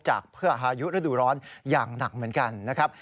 จากเพื่อพายุฤดูร้อนอย่างหนักเหมือนกันนะครับ